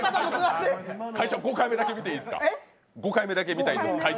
会長、５回目だけ見ていいですか？